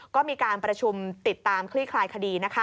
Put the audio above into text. ก็มีการประชุมติดตามคลี่คลายคดีนะคะ